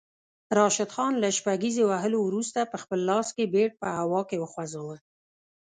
راشد خان له شپږیزې وهلو وروسته پخپل لاس کې بیټ په هوا کې وخوځاوه